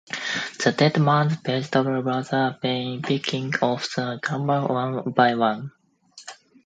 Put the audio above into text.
The dead man's vengeful brother begins picking off the gamblers one by one.